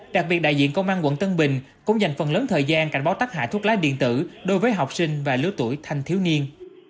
đặc biệt đại diện công an quận tân bình cũng dành phần lớn thời gian cảnh báo tác hại thuốc lá điện tử đối với học sinh và lứa tuổi thanh thiếu niên